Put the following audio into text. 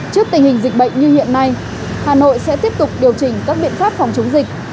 trước tình hình dịch bệnh như hiện nay hà nội sẽ tiếp tục điều chỉnh các biện pháp phòng chống dịch